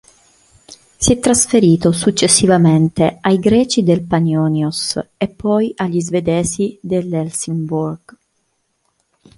Si è trasferito successivamente ai greci del Panionios e poi agli svedesi dell'Helsingborg.